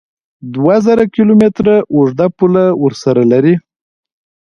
دوه زره کیلو متره اوږده پوله ورسره لري